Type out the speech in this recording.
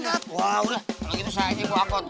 kalau gitu saatnya gue angkot